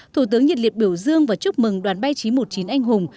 thủ tướng nhiệt liệt biểu dương và chúc mừng đoàn bay chín trăm một mươi chín anh hùng